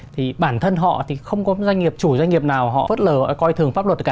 thì bản thân họ thì không có doanh nghiệp chủ doanh nghiệp nào họ phớt lờ coi thường pháp luật cả